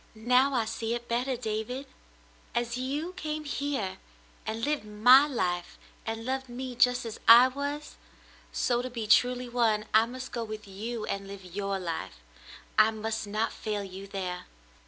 "Now I see it better, David. As you came here and lived my life, and loved me just as I was — so to be truly one, I must go with you and live your life. I must not fail you there.'